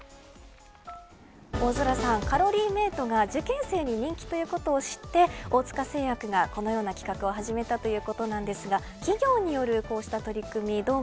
大空さん、カロリーメイトが受験生に人気ということを知って大塚製薬がこのような企画を始めたということなんですが企業によるこうした取り組み